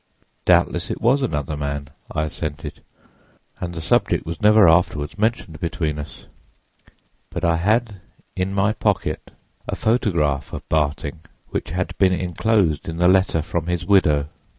"'Doubtless it was another man,' I assented; and the subject was never afterward mentioned between us. But I had in my pocket a photograph of Barting, which had been inclosed in the letter from his widow.